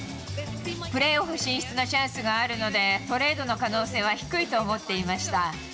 プレーオフ進出のチャンスがあるので、トレードの可能性は低いと思っていました。